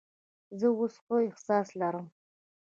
زه اوس ښه احساس لرم.